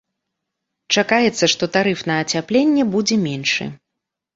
Чакаецца, што тарыф на ацяпленне будзе меншы.